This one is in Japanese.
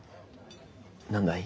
何だい？